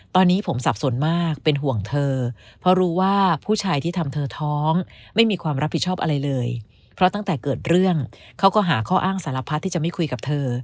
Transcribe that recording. ตอนนี้ผมสับสนมากเป็นห่วงเธอเพราะรู้ว่าผู้ชายที่ทำเธอท้องไม่มีความรับผิดชอบอะไรเลยเพราะตั้งแต่เกิดเรื่องเขาก็หาข้ออ้างสารพัดที่จะไม่คุยกับเธอ